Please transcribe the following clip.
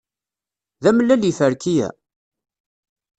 D amellal yiferki-a?